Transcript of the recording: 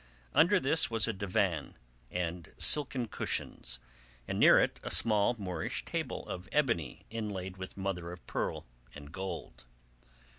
Under this was a divan and silken cushions, and near it a small Moorish table of ebony inlaid with mother of pearl and gold.